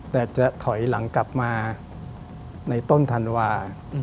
แต่จะถอยหลังกลับมาในต้นธันวา